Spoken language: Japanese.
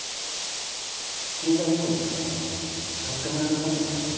君がいい子に育ったのをとっても喜んでたよ